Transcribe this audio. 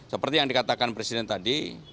seperti yang dikatakan presiden tadi